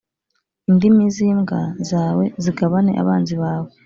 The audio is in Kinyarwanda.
Indimi z imbwa zawe zigabane abanzi bawe